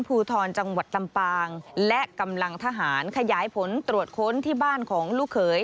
ภูทรจังหวัดลำปางและกำลังทหารขยายผลตรวจค้นที่บ้านของลูกเขย